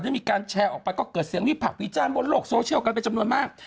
ได้มีการแชร์ออกไปก็เกิดเสียงวิพักวิจารณ์บนโลกโซเชียลกันเป็นจำนวนมาก